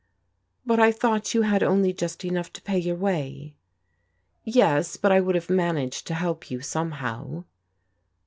" But I thought you had only just enough to pay your way ?"" Yes, but I would have managed to help you, some how."